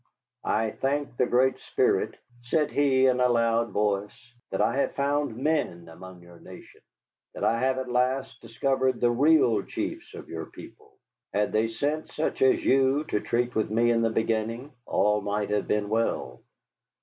"I thank the Great Spirit," said he, in a loud voice, "that I have found men among your nation. That I have at last discovered the real chiefs of your people. Had they sent such as you to treat with me in the beginning all might have been well.